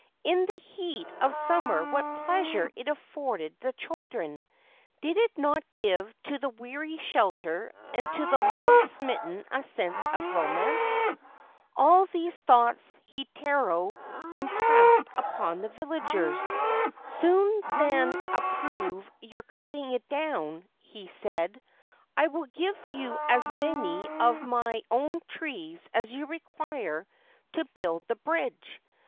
In the heat of summer what pleasure it afforded the children ! Did it not give to the weary shelter, and to the love smitten a sense of romance ? All these thoughts Heitaro im pressed upon the villagers. Sooner than approve your cutting it down/ he said, ' I will give you as many of my own trees as you require to build the bridge.